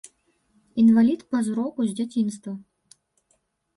Інвалід па зроку з дзяцінства.